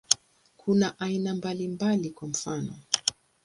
Kuna aina mbalimbali, kwa mfano.